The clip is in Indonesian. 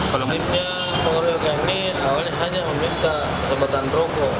ketika pengeroyokan ini awalnya hanya meminta kesempatan rokok